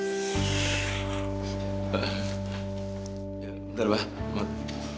bentar bae mut